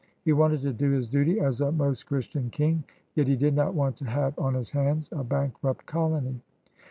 He wanted to do his duty as a Most Christian King, yet he did not want to have on his hands a bankrupt colony.